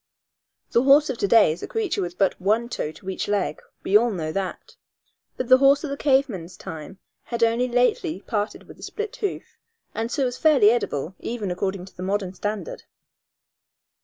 The horse of to day is a creature with but one toe to each leg we all know that but the horse of the cave man's time had only lately parted with the split hoof, and so was fairly edible, even according to the modern standard.